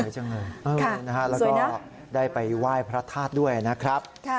ต้นไซต์๐และได้ไปไหว้พระธาตุหน้าครับ